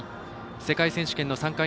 世界選手権の参加